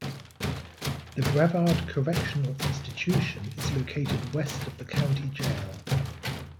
The Brevard Correctional Institution is located west of the county jail.